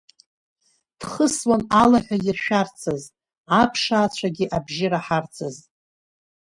Дхысуан алаҳәа иршәарцаз, аԥшаацәагьы абжьы раҳарцаз.